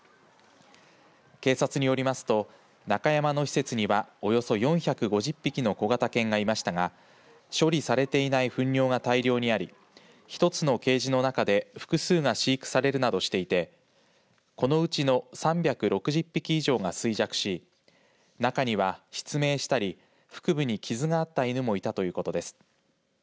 警察によりますと中山の施設にはおよそ４５０匹の小型犬がいましたが処理されていないふん尿が大量にあり１つのケージの中で複数が飼育されるなどしていてこのうちの３６０匹以上が衰弱し中には失明したり腹部に傷があった犬もいたということです。